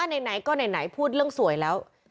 ไหนก็ไหนพูดเรื่องสวยแล้ว